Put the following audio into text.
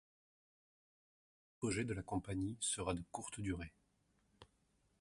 Cet apogée de la compagnie sera de courte durée.